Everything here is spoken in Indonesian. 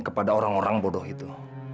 kepada orang orang bodoh itu